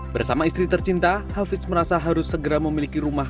bersama istri tercinta hafiz merasa harus segera memiliki rumah